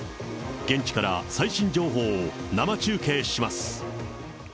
現地から最新情報を生中継します。